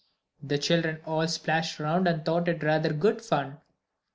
The children all splashed around and thought it rather good fun.